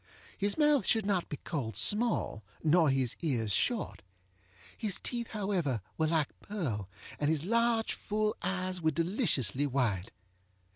His mouth should not be called small, nor his ears short. His teeth, however, were like pearl, and his large full eyes were deliciously white.